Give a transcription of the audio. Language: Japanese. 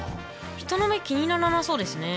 人の目気にならなそうですね。